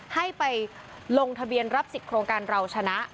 ให้ไปลงทะเบียนรับสิทธิ์โครงการเราชนะ